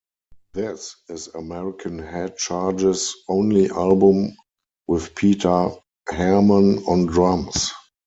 This is American Head Charge's only album with Peter Harmon on drums.